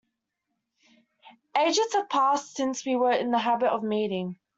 Ages have passed since we were in the habit of meeting.